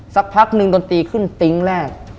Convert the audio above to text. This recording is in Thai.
สักพักหนึ่งดนตรีขึ้นติ๊งแรก